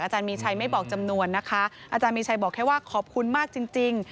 มีชัยไม่บอกจำนวนนะคะอาจารย์มีชัยบอกแค่ว่าขอบคุณมากจริง